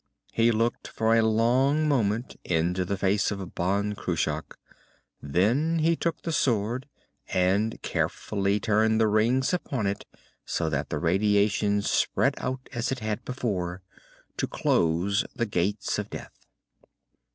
He looked for a long moment into the face of Ban Cruach. Then he took the sword, and carefully turned the rings upon it so that the radiation spread out as it had before, to close the Gates of Death.